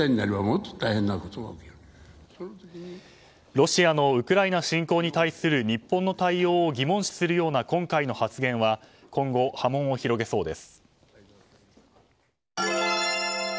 ロシアのウクライナ侵攻に対する日本の対応を疑問視するような今回の発言は今後、波紋を広げそうです。